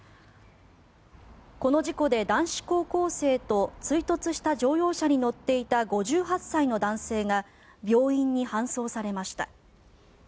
この事故で男子高校生と追突した乗用車に乗っていた５８歳の男性が病院に搬送されました。